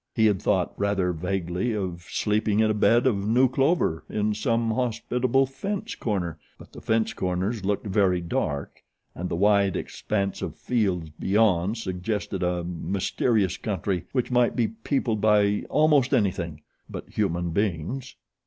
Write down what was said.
He had thought, rather vaguely, of sleeping in a bed of new clover in some hospitable fence corner; but the fence corners looked very dark and the wide expanse of fields beyond suggested a mysterious country which might be peopled by almost anything but human beings.